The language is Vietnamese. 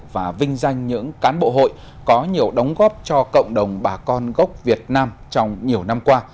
của đảng bộ hội có nhiều đóng góp cho cộng đồng bà con gốc việt nam trong nhiều năm qua